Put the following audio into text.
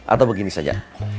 atau begini saja